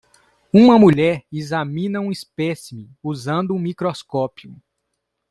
Uma mulher examina um espécime usando um microscópio